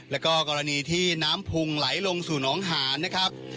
แล้วก็กรณีที่น้ำพุงไหลลงสู่น้องหานนะครับ